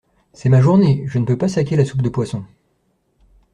C’est ma journée. Je peux pas saquer la soupe de poisson.